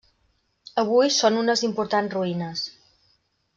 Avui són unes importants ruïnes.